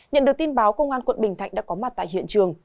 nhận được tin báo công an quận bình thạnh đã có mặt tại hiện trường